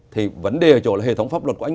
thì vấn đề ở chỗ là hệ thống pháp luật